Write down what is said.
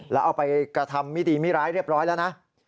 แล้วเอาไปกระทำไม่ดีไม่ร้ายเรียบร้อยแล้วนะ